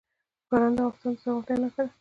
باران د افغانستان د زرغونتیا نښه ده.